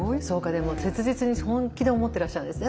でも切実に本気で思ってらっしゃるんですね